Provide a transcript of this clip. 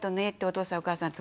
お父さんお母さん